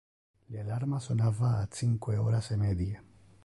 Le alarma sonava a cinque horas e medie.